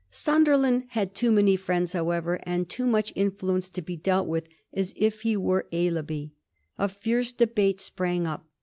Sunderland had too many friends, however, and too much influence to be dealt with as if he were Aislabie. A fierce debate sprang up.